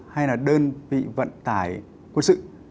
hay là đơn vị vận tải quân sự